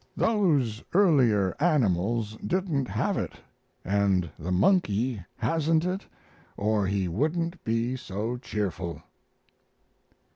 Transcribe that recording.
Those earlier animals didn't have it, and the monkey hasn't it or he wouldn't be so cheerful."